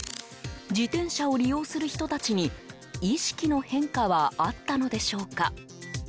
自転車を利用する人たちに意識の変化はあったのでしょうか？